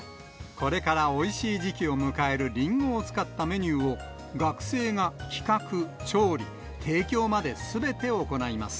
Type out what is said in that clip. これからおいしい時期を迎えるリンゴを使ったメニューを、学生が企画、調理、帝京まですべて行います。